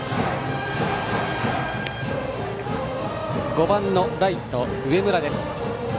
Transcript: ５番のライト、上村です。